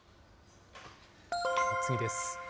次です。